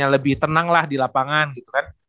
lebih tenang lah di lapangan gitu kan